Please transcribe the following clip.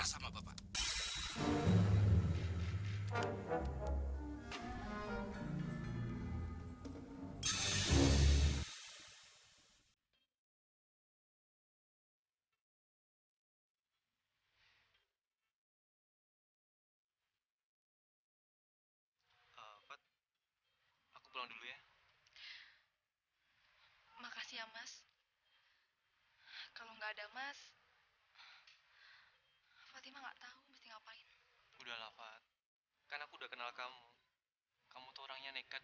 sampai jumpa di video selanjutnya